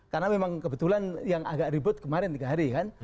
karena memang kebetulan yang agak ribut kemarin tiga hari kan